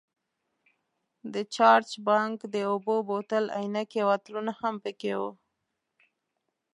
د چارج بانک، د اوبو بوتل، عینکې او عطرونه هم پکې وو.